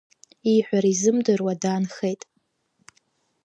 Ииҳәара изымдыруа даанхеит.